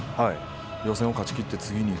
予選を勝ちきって次に。